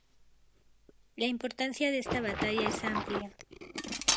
La importancia de esta batalla es amplia.